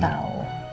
iya aku tau